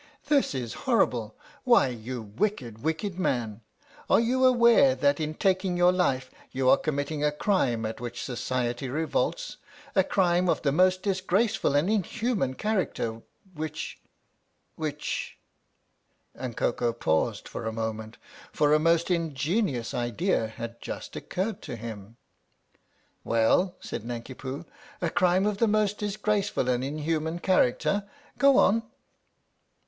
" This is horrible ! Why, you wicked, wicked man, are you aware that in taking your life you are committing a crime at which society revolts a crime of the most disgraceful and inhuman character which which " And Koko paused for a moment, for a most in genious idea had just occurred to him. " Well ?" said Nanki Poo, "' a crime of the most disgraceful and inhuman character.' Go on."